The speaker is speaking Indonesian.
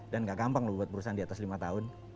dan gak gampang loh buat perusahaan diatas lima tahun